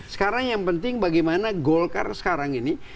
sekarang yang penting bagaimana golkar sekarang ini